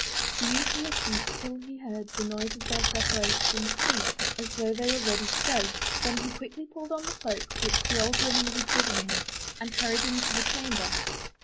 The youth listened till he heard the noise of their preparations cease, as though they were ready to go, then he quickly put on the cloak which the old woman had given him, and hurried into their chamber.